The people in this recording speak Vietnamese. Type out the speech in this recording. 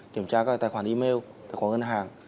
kiểm tra các tài khoản email tài khoản ngân hàng